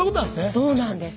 そうなんです。